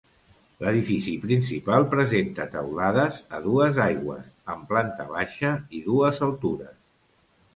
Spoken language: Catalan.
L'edifici principal presenta teulada a dues aigües, amb planta baixa i dues altures.